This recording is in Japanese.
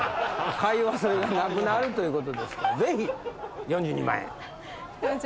買い忘れがなくなるということですからぜひ４２万円。